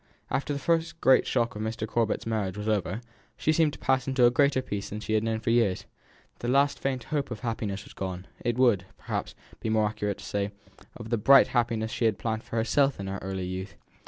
After the first great shock of Mr. Corbet's marriage was over, she seemed to pass into a greater peace than she had known for years; the last faint hope of happiness was gone; it would, perhaps, be more accurate to say, of the bright happiness she had planned for herself in her early youth.